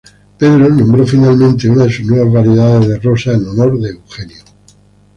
Pedro nombró finalmente una de sus nuevas variedades de rosa en honor de Eugenio.